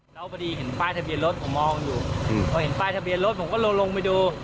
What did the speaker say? แล้วพอดีเห็นป้ายทะเบียนรถผมมองอยู่พอเห็นป้ายทะเบียนรถผมก็เลยลงไปดู